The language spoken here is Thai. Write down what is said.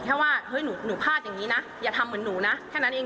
แค่ว่าหนูพลาดอย่าทำแบบมือนหนูแค่นั้นเอง